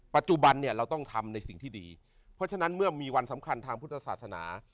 ปัจจุบันเนี่ยเราต้องทำในสิ่งที่ดีเพราะฉะนั้นเมื่อมีวันสำคัญทางพุทธศาสนา